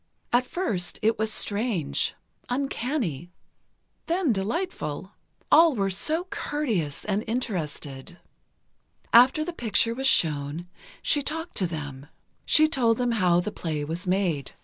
At first, it was strange, uncanny, then delightful. All were so courteous and interested. After the picture was shown, she talked to them. She told them how the play was made.